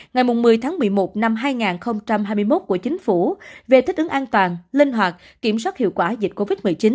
ngày một mươi tháng một mươi một năm hai nghìn hai mươi một của chính phủ về thích ứng an toàn linh hoạt kiểm soát hiệu quả dịch covid một mươi chín